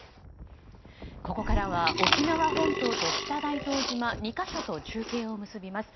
ここからは沖縄本島と北大東島の２か所と中継を結びます。